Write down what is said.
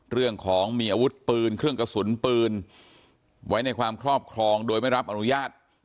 เรื่องของมีอาวุธปืนเครื่องกระสุนปืนไว้ในความครอบครองโดยไม่รับอนุญาต